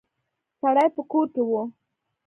سړی په کور کې و.